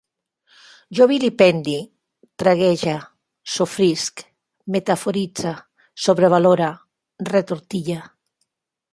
Jo vilipendie, traguege, sofrisc, metaforitze, sobrevalore, retortille